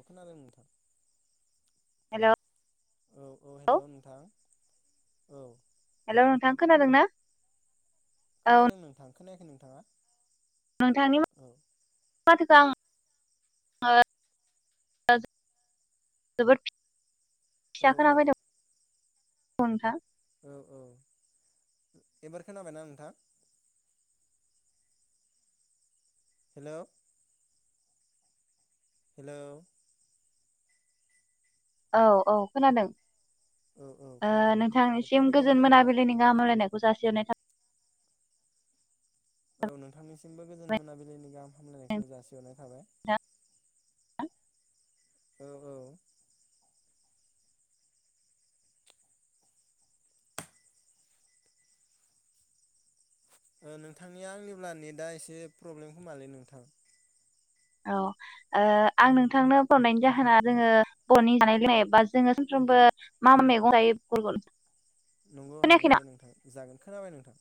अ खोनादों नोंथां हेलौ औ औ लौ हेलौ नोंथां औ हेलौ नोंथां खोनादोंना खोनादों नोंथां खोनायाखै नोंथाङा नोंथांनि औ मा-माथो [unintelligible] औ औ [unintelligible] औ औ एबार खोनाबायना नोंथां हेलौ हेलौ औ औ खोनादों औ औ ओ खोनादों नोंथां बे नोंथांनिसिम टपिकआव गोजोन फैदों नोंथां मोनाबिलिनि गाहाम हामलायनायख खौ जासि हरनाय था औ नोंथांनिस सिमबो गोजोन थाबाय मोनाबिलिनि गाहाम हामलायनायखौ जासिहरनाय थाबाय नोंथां औ औ ओ नोंथांनिया आंनिब्ला नेटा एसे प्रब्लेम खोमालै नोंथां औ ओ आं नोंथांनो फन हरनायनि जाहोना जोङो बरनि जानाय लोंनाय बा जोङो सानफ्रोमबो मा मा मैगं जायो बेफोरखौ नंगौ हागोन खोनायाखैना दे नोंथां जागोन खोनाबाय नोंथां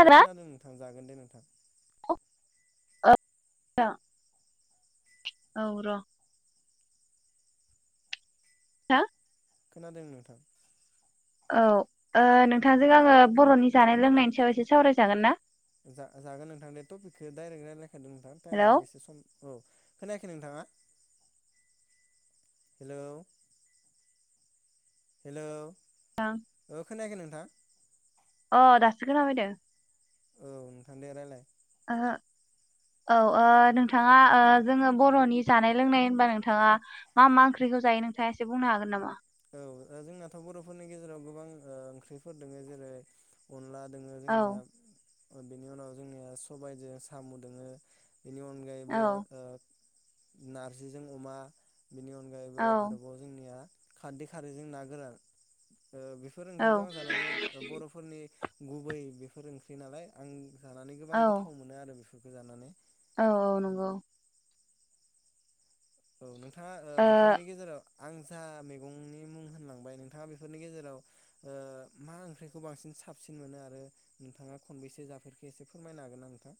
औ खोनादों नोंथां जागोन दे नोंथां [unintelligible] [unintelligible] औ र हा खोनादों नोंथां औ ओ नोंथांजों आङो बरनि जानाय लोंनायनि सायाव एसे सावरायजागोन ना जा जागोन नोंथां दे टपिकखौ डाइरेक्ट रायजलायखादो नोंथां हेलौ टाइमआबो एसे सम औ खोनायाखै नोंथाङा हेलौ हेलौ ओ [unintelligible] खोनायाखै नोंथां अ दासो खोना फायदो औ नोंथां दे रायलाय ओहो औओ नोंथाङा ओ जोङो बरनि जानाय लोंनाय होनबा नोंथाङा मा मा ओंख्रिखौ जायो नोंथाङा एसे बुंनो हागोन नामा औ जोंनाथ बर'फोरनि गेजेराव गोबां ओ ओंख्रिफोर दोङो जेरै अनला दोङो औ जोंनिया बेनि उनाव जोंनिया सबायाइजों साम दोङो बिनि औ अनगायैबो ओ नारजिजों अमा बिनि औ अनगायैबो आरोबाव जोंनिया खारदै खारैजों ना गोरान ओ बेफोर ओंख्रिखौ औ आं जानानै बर'फोरनि गुबै बेफोर ओंख्रि नालाय आं जानानै औ गोबां गोथाव मोनो आरो बेफो बेखौ जानानै औ औ नंगौ औ नोंथा थांङा ओ बेफोरनि गेजेराव आं जा मैगंनि मुं होनलांबाय नोंथाङा बेफोरनि गेजेराव ओ मा ओंख्रिखौ बांसिन साबसिन मोनो आरो नोंथाङा खनबेसे जाफेरखो एसे फोरमायनो हागोन ना नोंथां?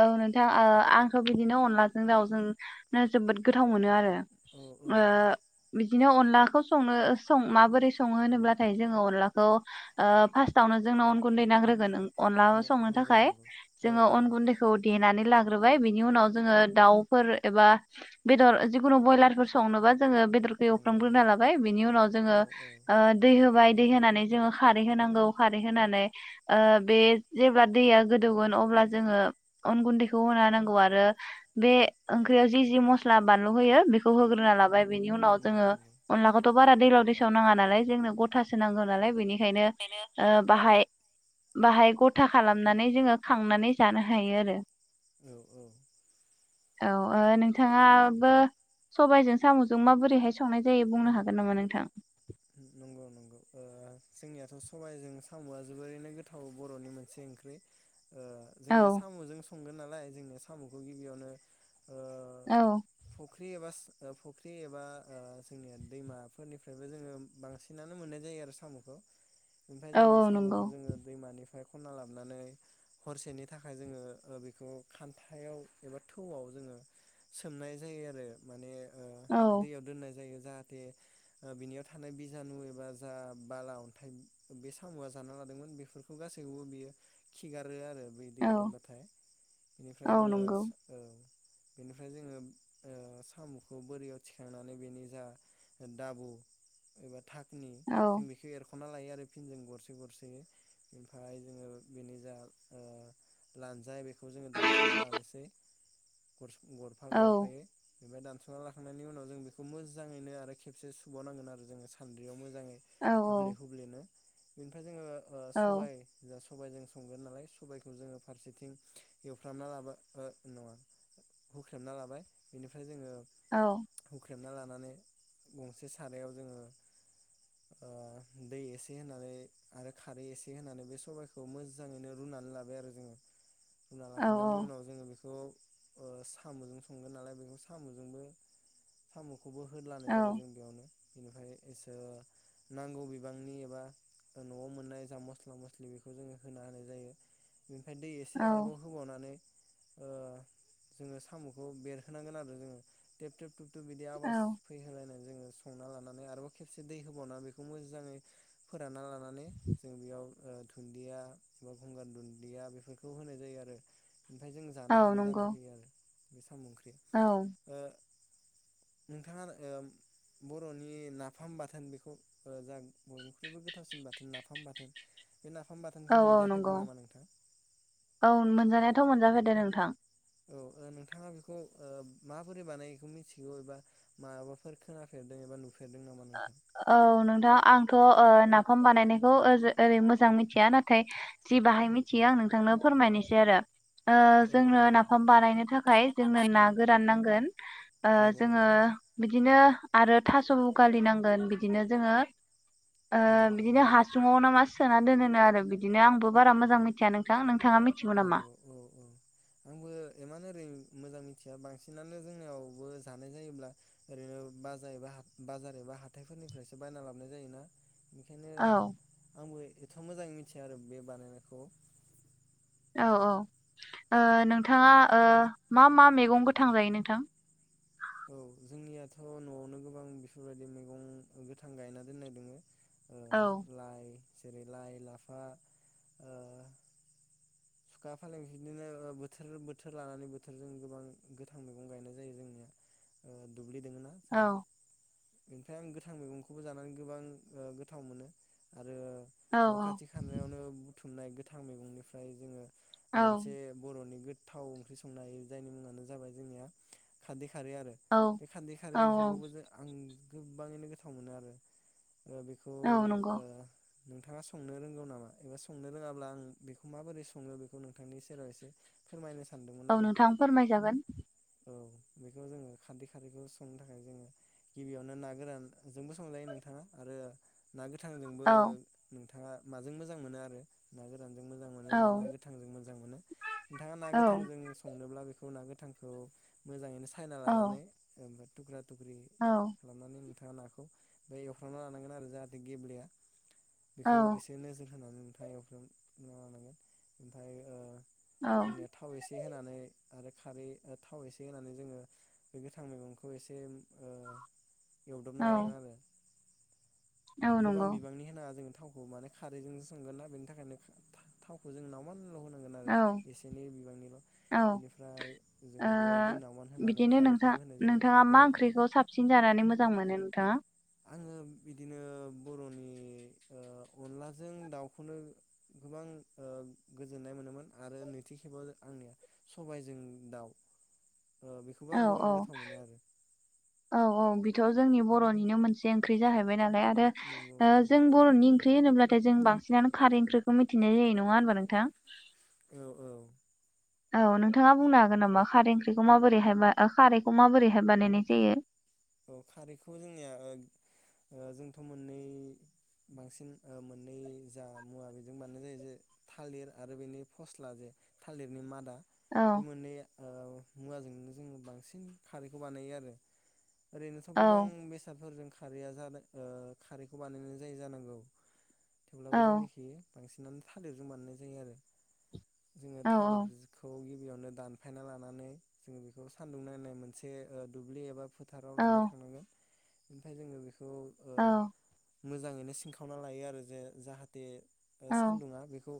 औ नोंथां ओ आंथ बिदिनो अनलाजों दाउजों नो जोबोद गोथाव मोनो आरो औ औ ओ बिदिनो अनलाखौ सङो ओ सं माबोरै सङो होनोब्लाथाय जोङो अनलाखौ ओ फास्टावनो जोंनो अन गुन्दै नांग्रोगोन अनदला संनो नंगौ थाखाय नंगौ औ जोङो औ अन गुन्दै देनानै लाग्रोबाय बिनि उनाव जोङो दाउफोर एबा बेदर जिखुनु बयलारफोर संनोबा जोङो बेदरखौ नंगौ एवफ्रामग्रोना नंगौ लाबाय बिनि उनाव औ औ ओ दै होबाय दै होनानै जोङो खारै होनांगौ खारै होनानै ओ बे जेब्ला दैया गोदौगोन अब्ला जोङो अन गुन्दैखौ होना नांगौ आरो बे ओंख्रियाव जि जि मस्ला बानलु होयो बेखौ होग्रोना लाबाय। बेनि उनाव नंगौ जोङो नंगौ अनलाखौथ बारा दैलाव दैसाव नाङा नालाय जोंनो गथासो नांगौ नालाय बेनि बेखायनो ओ बाहाय बाहाय गथा खालामनानै जोङो खांनानै जानो हायो। थायो आरो औ औ औ नोंथाङाबो सबायजों सामजों माबोरैहाय संनाय जायो बुंनो हागोन नामा नोंथां? नंगौ नंगौ ओ जोंनियाथ' सबायजों साम'आ जोबोरैनो गोथाव बर'नि मोनसे ओंख्रि ओ औ जोंनिया साम'जों स संगोन नालाय जोंनि साम'खौ गिबियावनो ओ औ फुख्रि एबा फुख्रि एबा ओ जोंनिया दैमाफोरनिफ्रायबो जोङो बांसिनानो मोननाय जायो आरो साम'खौ। ओमफ्राय औ जोङो औ नंगौ साम'खौ जोङो दैमानि फ्राय खनना लाबोनानै हरसेनि थाखाय जोङो बेखौ खान्थायाव एबा थौआव जोङो सोमनाय जायो आरो माने ओ औ दैयाव दोननाय जायो जाहाथे ओ बिनिया थानाय बिजानु एबा जा बाला अन्थाइ बे साम'आ जाना लादोंमोन बेफोरखौ गासैखौबो बियो खिगारो आरो बे औ दैयाव दोनबाथाय बेनिफ्राय औ जोङो नंगौ ओ बेनिफ्राय जोङो ओ साम'खौ बोरियाव थिखांनानै बेनि जा दाबु एबा था नि औ जों बेखौ एरख' ख'ना लायो आरो फिनजों गरसे गरसे ओमफ्राय जोङो बेनि जा ओ लानजाय बेखौ जोङो दानस'ना लानोसै गरस गरफा औ गरफायै। ओमफ्राय दानस'ना लाखांनायनि उनाव जों बेखौ मोजाङैनो आरो खेबसे सुबावनांगोन आरो जोङो सान्द्रियाव मो जाङै औ हुब्ले हुब्लेनो बेनिफ्राय जोङो ओ औ सबाय जा सबायजों संगोन नालाय सबायखौ जोङो फारसेथिं एवफ्रामना लाबाय ओ नङा हुख्रेमना लाबाय बेनिफ्राय जोङो औ खोबना लानानै गंसे सारायाव जोङो ओ दै एसे होनानै आरो खारै एसे होनानै बे सबायखौ मोजाङैनो रुनानै लाबाय आरो जोङो ना औ लाखांनायनि उनाव जोङो बेखौ औ ओ साम'जों संगोन नालाय बेखौ साम'जोंबो साम' खौबो होलानाय जाबाय औ जों बेयावनो। बेनिफ्राय इसो नांगौ बिबांनि एबा न'आव मोननाय जा मस्ला मस्लि बेखौ जोङो होना होनाय जायो। बेनिफ्राय दै एसे औ आरोबाव होबावनानै ओ जोङो साम'खौ बेरहोनांगोन आरो जोङो थेब थेब थुब बिदि आवास औ फैहोलायनाय जोङो संना लानानै आरबाव खेबसे दै होबावना बेखौ मोजाङै फोरानना ला नानै जों बेयाव ओ दुन्दिया बा गंगार दुन्दिया बेफोरखौ होनाय जायो आरो। ओमफाय जों जानो औ हानाय जाना नंगौ फैयो आरो। ओंख्रि औ ओ नोंथाङा ओ बरनि ना फाम बाथोन बेखौ जा बयनिख्रुइबो गोथावसिन बाथोन नाफाम बाथोन बे नाफाम बाथोनखौ औ औ नंगौ। मोनजाफेरदों नामा नोंथां? औ मोनजानायाथ मोनजाफेर दों नोंथां। औ ओ नोंथाङा बेखौ ओ माबोरै बानायखो मिथिगौ एबा माबाफोर खोनाफेरदों एबा नुफेरदों नामा नोंथां? ओ औ नोंथां आंथ ओ नाफाम बानायनायखौ ओजो ओरै मोजां मिथिया नाथाय जि बाहाय मिथियो आं नोंथांनो फोरमायनोसै आरो ओ औ औ जोंनो नाफाम बानायनो थाखाय जोंनो ना गोरान नांगोन। ओ नंगौ जोङो नंगौ बिदिनो आरो थासुं गालिनांगोन बिदिनो जोङो ओ नंगौ बिदिनो नंगौ हासुङाव नामा सोना दोनोनो आरो बिदिनो आंबो बारा मोजां मिथिया नोंथां। नों नंगौ औ औ। आंबो इमान एरै मोजां मिथिया बांसिनानो जोंनियावबो जानाय जायोब्ला ओरैनो बाजार एबा बाजार एबा हाथायफोरनिफ्रायसो बायना लाबोनाय जायोना। बेखायनो औ आंबो थ मोजाङै मिथिया आरो बे बानायनायखौ। औ औ। ओ नोंथाङा ओ मा मा मैगं गोथां जायो नोंथां? औ जोंनियाथ नयावनो गोबां बेफोरबायदि मैगं गोथां गायना दोननाय दङ। ओ औ लाइ। जेरै लाइ, लाफा, ओ सुखा फालें बिदिनो ओ बोथोर बोथोर लानानै बोथोरजों गोबां गोथां मैगं गायनाय जायो जोंनिया। ओम। दुब्लि दोङना औ जोंहा बेनिफ्राय आं गोथां मैगंखौबो जानानै गोबां ओ गोथाव मोनो आरो औ न खाथि खालावनो बुथुमनाय गोथां मैगंनिफ्राय जोङो औ मोनसे बरनि गो थाव ओंख्रि संनो हायो। जायनि मुङानो जाबाय जोंनिया खारदै खारै आरो औ बे खारदै औ खारै ओंख्रिखौबो जों आं गोबाङैनो गोथाव मोनो आरो। ओ बेखौ औ नंगौ ओ नोंथाङा संनो रोंगौ नामा एबा संनो रोङाब्ला आं बेखौ माबोरै सङो बेखौ नोंथांनि सेराव एसे फोरमायनो सानदोंमोन आरो औ नोंथां फोरमायजागोन औ बेखौ जोङो खारदै खारदैखौ संनो थाखाय जोङो गिबियावनो ना गोरानजोंबो संजायो नोंथाङा आरो ना गोथांजोंबो औ बिथाङा माजों मोजां मोनो आरो माजों ना- गोरान जों मोजां औ मोनोना गोथां मोजां मोनो नोंथाङा ना औ गोथांजों संनोब्ला बे संना गोथांखौ मोजाङैनो सायना औ लानानै ओफ्राय [unintelligible] थख्रि औ खालामनानै नोंथां नाखौ बे एवखांना लानांगोन आरो जाहाथे गेब्लेया बेखौ औ एसे नोजोर होनानै थावयावफ्रोम लानांगोन ओमफ्राय औ जोंनिया थाव एसे होनानै आरो खारै थाव एसे होनानै जोङो बेनि गोथां मैगंखौ एसे एवदबना लागोन आरो औ गोबां नंगौ बिबांनि होनाङा जों थावखौ माने खारैजोंसो संगोन ना बेनि थाखायनो थावखौ जों नाव मान होनांगोन आरो औ इसेनि बिबांनिल औ इनिफ्राय जोंङो बियाव दै नावमान होनानै नो नोंथां खारैखौबो होनाय जायो नोंथाङा औ मा औ ओंख्रिखौ साबसिन जानानै मोजां मोनो थांङा आङो बिदिनो बरनि अनलाजों दाउखौनो गोबां गोजोननाय मोनोमोन आरो नैथि खेबाव आंनिया सबायजों दाउ ओ बेखौबो औ आं गोबां औ गोथाव मोनो आरो थ जोंनि बरनिनो मोनसे ओंख्रि जाहैबाय नालाय नंगौ आरो नंगौ जों बरनि ओंख्रि होनोब्लाथाय जों बांसिनानो खारै ओंख्रिखौ मिथिनाय जायो नङा होनबा नोंथां औ औ औ नोंथाङा बुंनो हागोन नामा खारै ओंख्रिखौ माबोरैहाय खारैखौ माबोरैहाय बानायनाय जायो औ खारैखौ जोंनिया जोंथ मोननै बांसिन मोननै जा मुवा बेजों बानायनाय जायो जे थालिर आरो बेनि फस्ला जे थालिरनि मादा औ बे मोनै ओ मुवाजोंनो जोङो बांसिन खारैखौ बानायो आरो ओरैनोथ औ गोबां बेसादफोरजों खारैया जादों ओ खारैखौ बानायनानै जायो जानांगौ औ थेवब्लाबो जों निखि बांसिनानो थालेरजों बानायनाय जायो आरो जोङो औ थालिर जिखौ‌। गिबियावनो दानफायना लानानै जोङो बेखौ सान्दुं नांनाय मोनसे ओ दुब्लि एबा फो थाराव औ लाना थांनांगो। ओमफाय जोङो बे। औ। मोजाङैनो सिनखावना लायो आरो जे जाहाथे। ओ औ सान्दुंङा बेखौ।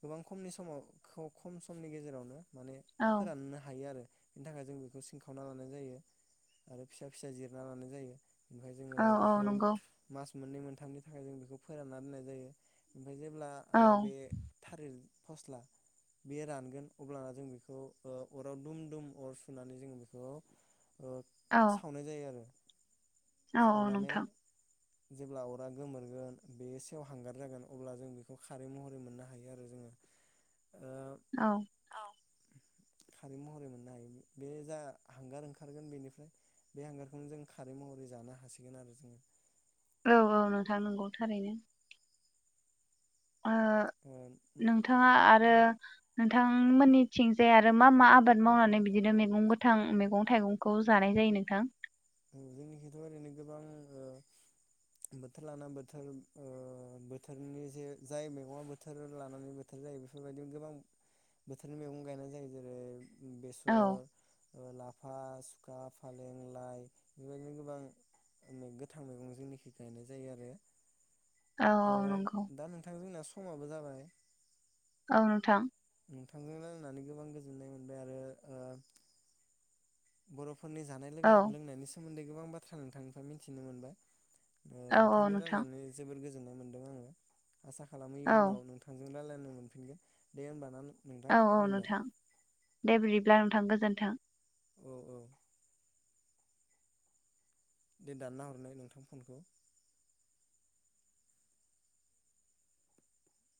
गोबां खमनि समाव खौ खम समनि गेजेरावनो। माने औ फोराननो हायो आरो। बेनि थाखाय जों बेखौ सिनखावना लानाय जायो। आरो फिसा फिसा जिरना लानाय जायो। ओमफाय जोङो औ औ बेखौ नंगौ मास। मोननै मोनथामनि थाखाय जों बेखौ फोरानना दोननाय जायो। ओमफाय जेब्ला औ ओ बे थालिर। फस्ला बेयो रानगोन अब्लाना जों बेखौ ओ अराव दुम-दुम अर सुनानै जों बेखौ ओ। औ सावनाय जायो आरो। औ औ सावनानै नोंथां। जेब्ला अरा गोमोरगोन बे सेव हांगार जागोन अब्ला जों बेखौ खारै महरै मोननो हायो आरो जोङो। औ खारि महरै मोननो हायो बे जा हांगार ओंखारगोन बेनिफ्राय। बे हांगारखौनो जों खारै महरै जानो हासिगोन आरो जोङो। औ औ नोंथां नंगौ थारैनो। ओ नोंथाङा आरो। नोंथांमोननिथिंजाय आरो मा-मा आबाद मावनानै बिदिनो मेगं गोथां मेगं थाइगंखौ जानाय जायो नोंथां। जोंनिखैथ ओरैनो गोबां ओ बोथोर लाना बोथोर ओ बोथोरनि जे जाय मैगङा बोथोर लानानै बोथोर जायो बेफोरबायदिनो गोबां बोथोरनि मैगं गायनाय जायो जेरै। औ बेसर। ओ लाफा सुखा फालें लाइ। बेबायदिनो गोबां मे गोथां मैगं जोंनिखै गायनाय जायो आरो। औ ओ नंगौ दा नोंथां जोंना। समाबो जाबाय। औ नोंथां। नोंथांजों रायलायनानै गोबां गोजोननाय मोनबाय आरो ओ। बर'फ फोरनि जानाय औ लोंनाय लोंनायनि सोमोन्दै। गोबां बाथ्रा नोंथांनिफ्राय मिथिनो मोनबाय। ओ औ औ नोंथांनो नोंथां रायलायनानै जोबोर गोजोन [inaudible] मोनदों आङो आसा खालामो औ इउनाव नोंथांजों रायलायनो मोनफिनगोन दे होमबा ना नों औ औ नोंथां दे बिदिब्ला थां गोजोनथों औ औ दे दानना हरनाय नोंथां फनखौ